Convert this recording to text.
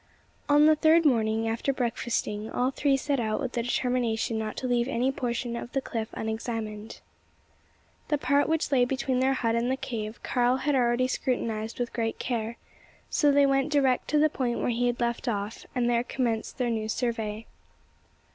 On the third morning, after breakfasting, all three set out with the determination not to leave any portion of the cliff unexamined. The part which lay between their hut and the cave, Karl had already scrutinised with great care; so they went direct to the point where he had left off, and there commenced their new survey.